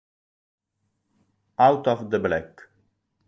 Out of the Black